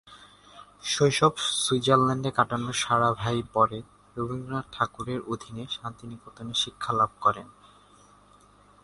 শৈশব সুইজারল্যান্ডে কাটানো সারাভাই পরে রবীন্দ্রনাথ ঠাকুরের অধীনে শান্তিনিকেতনে শিক্ষা লাভ করেন।